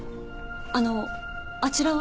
あのうあちらは？